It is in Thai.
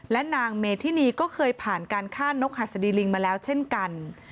และนางเมธินีก็เคยผ่านการฆ่านกหัสดีลิงมาแล้วเช่นกัน